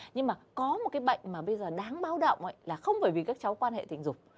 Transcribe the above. nhưng mà có một cái bệnh mà bây giờ đáng báo động là không bởi vì các cháu quan hệ tình dục